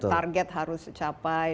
target harus capai